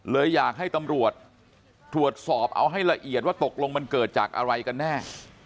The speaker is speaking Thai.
เลยอยากให้ตำรวจตรวจสอบเอาให้ละเอียดว่าตกลงมันเกิดจากอะไรกันแน่